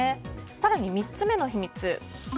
更に３つ目の秘密。